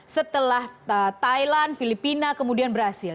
setelah thailand filipina kemudian brazil